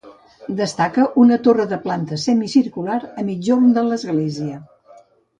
Destaca una torre de planta semicircular a migjorn de l'església.